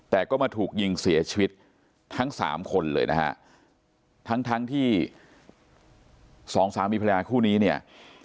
แต่ก็มาถูกยิงเสียชีวิตทั้งสามคนเลยนะฮะทั้งทั้งที่สองสามีภรรยาคู่นี้เนี่ย